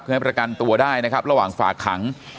ให้ประกันตัวได้นะครับระหว่างฝากขัง